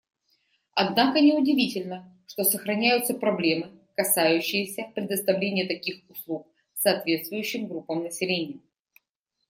Однако не удивительно, что сохраняются проблемы, касающиеся предоставления таких услуг соответствующим группам населения.